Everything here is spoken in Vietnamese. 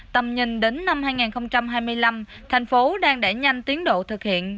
tầm nhìn đến năm hai nghìn hai mươi năm thành phố đang đẩy nhanh tiến độ thực hiện